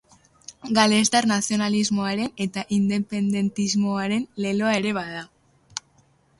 Galestar nazionalismoaren eta independentismoaren leloa ere bada.